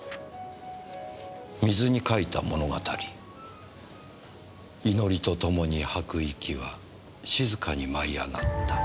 『水に書いた物語』「祈りとともに吐く息は静かに舞い上がった」